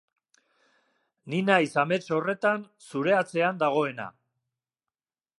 Ni naiz amets horretan zure atzean dagoena.